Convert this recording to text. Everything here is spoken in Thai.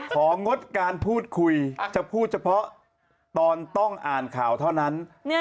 งดการพูดคุยจะพูดเฉพาะตอนต้องอ่านข่าวเท่านั้น